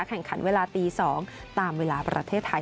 แข่งขันเวลาตี๒ตามเวลาประเทศไทย